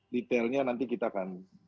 detailnya nanti kita akan